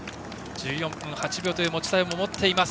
１４分８秒という持ちタイムを持っています。